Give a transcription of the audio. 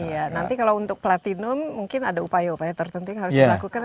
iya nanti kalau untuk platinum mungkin ada upaya upaya tertentu yang harus dilakukan